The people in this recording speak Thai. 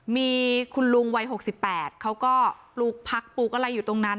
มีคุณลุงวัย๖๘เขาก็ปลูกผักปลูกอะไรอยู่ตรงนั้น